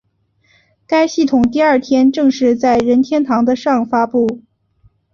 该系统第二天正式在任天堂的上发布。